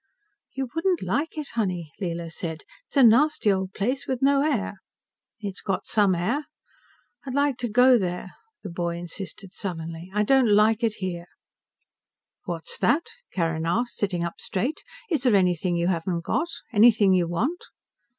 "You wouldn't like it, honey," Leela said. "It's a nasty old place with no air." "It's got some air. I'd like to go there," the boy insisted sullenly. "I don't like it here." "What's that?" Carrin asked, sitting up straight. "Is there anything you haven't got? Anything you want?"